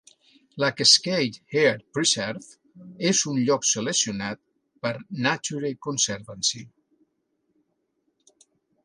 La Cascade Head Preserve és un lloc seleccionat per Nature Conservancy.